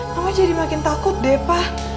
mama jadi makin takut deh pak